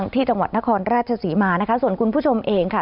ที่จังหวัดนครราชศรีมานะคะส่วนคุณผู้ชมเองค่ะ